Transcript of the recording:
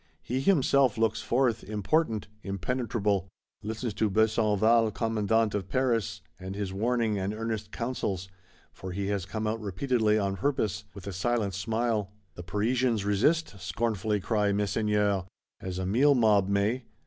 He himself looks forth, important, impenetrable; listens to Besenval Commandant of Paris, and his warning and earnest counsels (for he has come out repeatedly on purpose), with a silent smile. The Parisians resist? scornfully cry Messeigneurs. As a meal mob may!